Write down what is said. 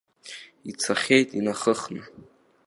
Ицахьеит инахыхны.